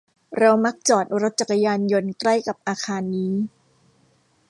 เรามักจอดรถจักรยานยนต์ใกล้กับอาคารนี้